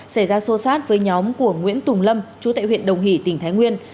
xảy ra xô xát với nhóm của nguyễn tùng lâm chú tại huyện đồng hỷ tỉnh thái nguyên